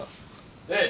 ええ。